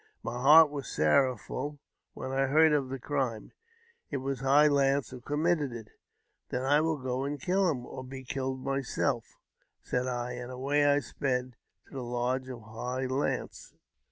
My heart was sorrowful when I heard of the crime. It was High Lance who committed it." rn i JAMES P. BECKWOUBTH. 209 " Then I will go and kill him, or be killed myself," said I ; and away I sped to the lodge of High Lance.